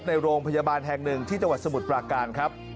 ในโรงพยาบาลแห่งหนึ่งที่จังหวัดสมุทรปราการครับ